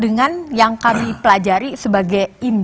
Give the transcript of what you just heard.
dengan yang kami pelajari sebagai indirect violence ya